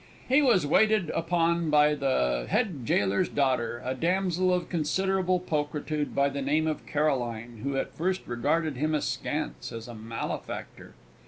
He was waited upon by the head gaoler's daughter, a damsel of considerable pulchritude by the name of Caroline, who at first regarded him askance as a malefactor.